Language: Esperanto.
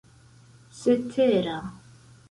cetera